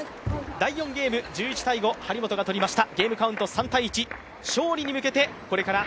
第４ゲーム、１１−５張本が取りました。